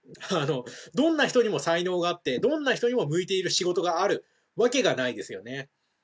あのどんな人にも才能があってどんな人にも向いている仕事があるわけがないですよね。